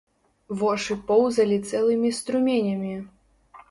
Вошы поўзалі цэлымі струменямі!